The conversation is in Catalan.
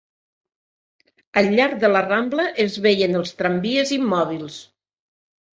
Al llarg de la Rambla es veien els tramvies immòbils